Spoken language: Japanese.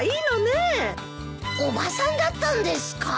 おばさんだったんですか！